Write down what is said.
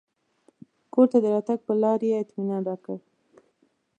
کور ته د راتګ پر لار یې اطمنان راکړ.